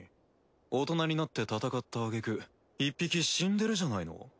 大人になって戦ったあげく１匹死んでるじゃないの。